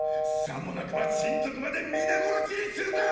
さもなくば親族まで皆殺しにするぞ！！